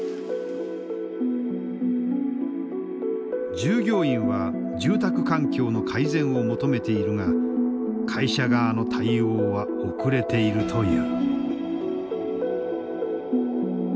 従業員は住宅環境の改善を求めているが会社側の対応は遅れているという。